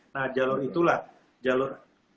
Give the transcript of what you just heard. nah jalur itulah jalur